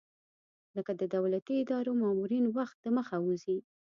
لکه د دولتي ادارو مامورین وخت دمخه وځي.